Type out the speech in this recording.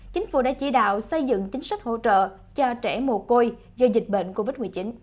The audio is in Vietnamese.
chính phủ đã chỉ đạo xây dựng chính sách hỗ trợ cho trẻ mồ côi do dịch bệnh covid một mươi chín